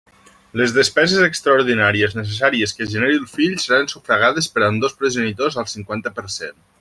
Les despeses extraordinàries necessàries que genere el fill seran sufragades per ambdós progenitors al cinquanta per cent.